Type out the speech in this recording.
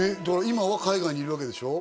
今は海外にいるわけでしょ？